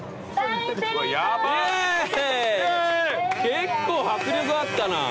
結構迫力あったな。